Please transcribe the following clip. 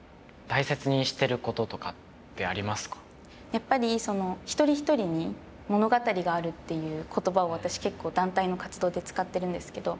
やっぱりその「一人一人に物語がある」っていう言葉を私結構団体の活動で使ってるんですけど。